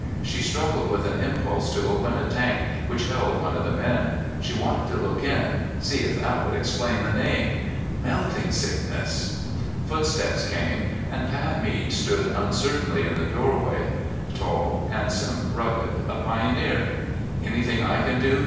She struggled with an impulse to open a tank which held one of the men. She wanted to look in, see if that would explain the name. Melting Sickness.... Footsteps came and Pat Mead stood uncertainly in the doorway. Tall, handsome, rugged, a pioneer. "Anything I can do?"